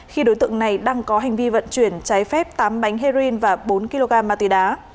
khi đối tượng này đang có hành vi vận chuyển trái phép tám bánh heroin và bốn kg ma túy đá